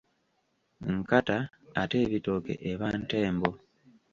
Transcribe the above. Nkata ate ebitooke eba ntembo.